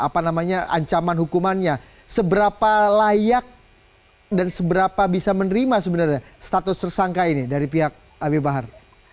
apa namanya ancaman hukumannya seberapa layak dan seberapa bisa menerima sebenarnya status tersangka ini dari pihak abi bahar